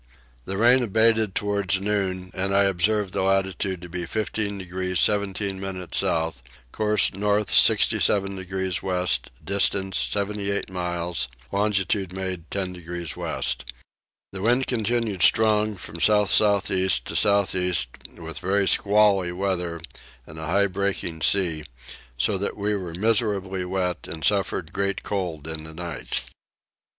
The rain abated towards noon and I observed the latitude to be 15 degrees 17 minutes south; course north 67 degrees west distance 78 miles; longitude made 10 degrees west. The wind continued strong from south south east to south east with very squally weather and a high breaking sea, so that we were miserably wet and suffered great cold in the night.